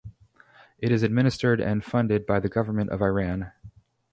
It is administered and funded by the Government of Iran.